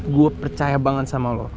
gue percaya banget sama lo